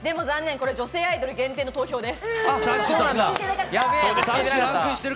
これ女性アイドル限定の投票です。